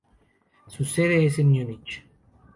Su sede es en Múnich.